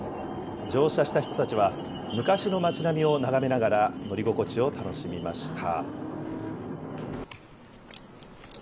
乗車した人たちは、昔の町並みを眺めながら乗り心地を楽しみました。